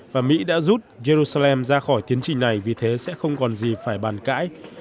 và mỹ đã rút jerusalem ra khỏi tiến trình này vì thế sẽ không còn gì phải bàn cãi